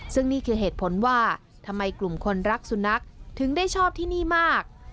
ซึ่งนี่คือเหตุผลว่าทำไมกลุ่มคนรักสุนัขถึงได้ชอบที่นี่มาก